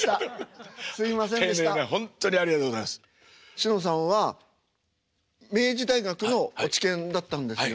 しのさんは明治大学の落研だったんですよね。